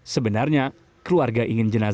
sebenarnya keluarga ingin jenazahnya